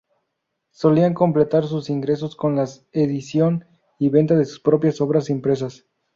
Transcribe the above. Solían completar sus ingresos con la edición y venta de sus propias obras impresas.